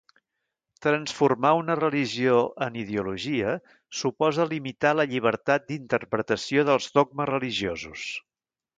Transformar una religió en ideologia suposa limitar la llibertat d'interpretació dels dogmes religiosos.